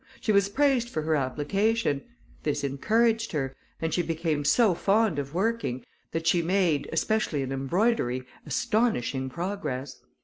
She was praised for her application; this encouraged her, and she became so fond of working, that she made, especially in embroidery, astonishing progress.